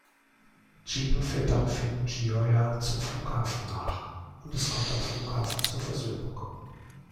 Gino fährt daraufhin Gioia zum Flughafen nach, und es kommt am Flughafen zur Versöhnung.